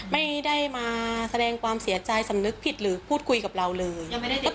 ไม่ได้มาแสดงความเสียใจสำนึกผิดหรือพูดคุยกับเราเลย